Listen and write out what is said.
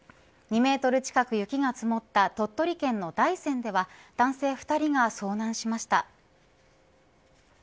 ２メートル近く雪が積もった鳥取県の大山では男性２人が遭難しました。